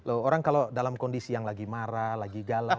loh orang kalau dalam kondisi yang lagi marah lagi galak